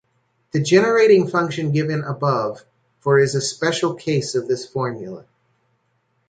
The generating function given above for is a special case of this formula.